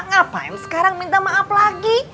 ngapain sekarang minta maaf lagi